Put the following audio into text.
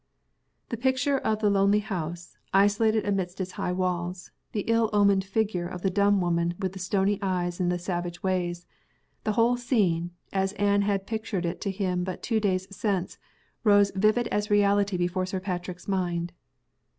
The picture of the lonely house, isolated amidst its high walls; the ill omened figure of the dumb woman with the stony eyes and the savage ways the whole scene, as Anne had pictured it to him but two days since, rose vivid as reality before Sir Patrick's mind.